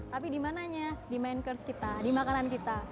tapi di mananya di mainkers kita di makanan kita